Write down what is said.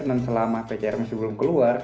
dan selama pcr masih belum keluar